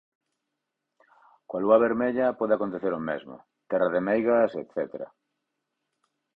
Con Lúa Vermella pode acontecer o mesmo: terra de meigas etcétera.